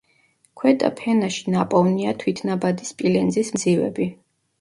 ქვედა ფენაში ნაპოვნია თვითნაბადი სპილენძის მძივები.